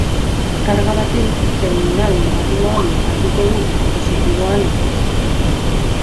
Karga batek terminal negatiboan bukatuko du positiboan ordez.